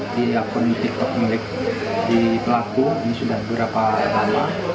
ada yang di upload di akun tiktok milik pelaku ini sudah berapa lama